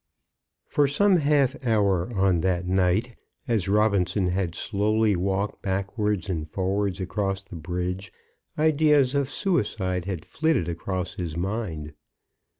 For some half hour on that night, as Robinson had slowly walked backwards and forwards across the bridge, ideas of suicide had flitted across his mind.